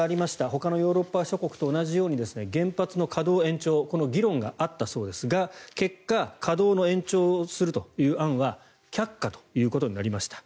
ほかのヨーロッパ諸国と同じように原発の稼働延長この議論があったそうですが結果稼働の延長をするという案は却下となりました。